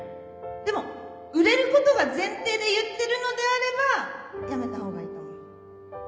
でも売れることが前提で言ってるのであればやめたほうがいいと思う。